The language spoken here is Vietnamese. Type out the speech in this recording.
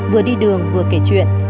vừa đi đường vừa kể chuyện